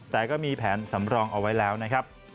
แต่ก็มีแผนสำรองเอาไว้แล้วนะครับ